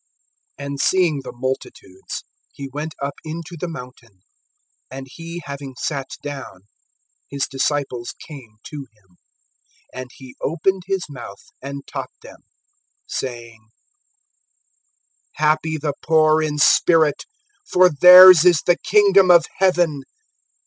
AND seeing the multitudes, he went up into the mountain; and he having sat down, his disciples came to him. (2)And he opened his mouth, and taught them, saying: (3)Happy the poor in spirit; for theirs is the kingdom of heaven.